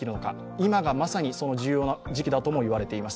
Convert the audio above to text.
今がまさにその重要な時期だともいわれています。